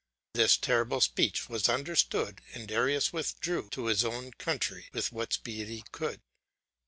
This terrible speech was understood, and Darius withdrew to his own country with what speed he could.